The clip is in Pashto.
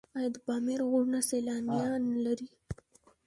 آیا د پامیر غرونه سیلانیان لري؟